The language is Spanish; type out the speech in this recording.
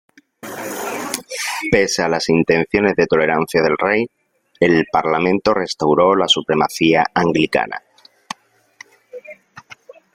Pese a las intenciones de tolerancia del rey, el Parlamento restauró la supremacía anglicana.